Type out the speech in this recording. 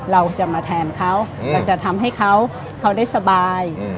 เราจะมาแทนเขาเราจะทำให้เขาได้สบาย